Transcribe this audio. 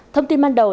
thông tin ban đầu